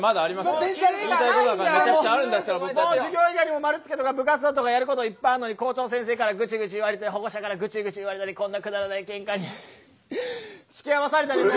もう授業以外にも丸付けとか部活だとかやることいっぱいあんのに校長先生からぐちぐち言われて保護者からぐちぐち言われてこんなくだらないケンカにハーッつきあわされたりもう。